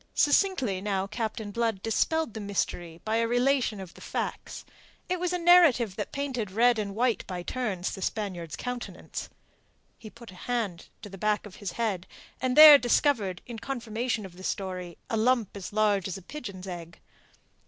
Succinctly now Captain Blood dispelled the mystery by a relation of the facts. It was a narrative that painted red and white by turns the Spaniard's countenance. He put a hand to the back of his head, and there discovered, in confirmation of the story, a lump as large as a pigeon's egg.